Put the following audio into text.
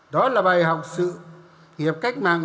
đó là bài học sự nghiệp cách mạng